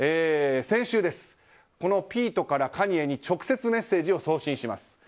先週、このピートからカニエに直接メッセージを送信します。